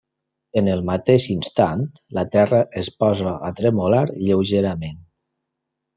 En el mateix instant, la terra es posa a tremolar lleugerament.